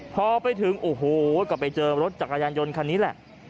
พอไปถึงโอ้โหก็ไปเจอรถจักรยานยนต์คันนี้แหละ